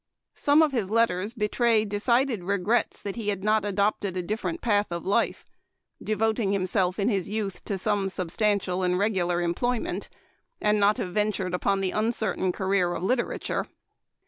Some of his letters betray decided regrets that he had not adopted a different path of life, devoting himself in his youth to some substantial and regular employ ment, and not have ventured upon the uncertain career of literature.